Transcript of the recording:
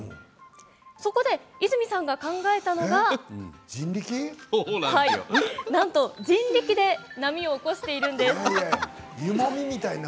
そこで泉さんが考えたのがなんと人力で波を起こしているんです。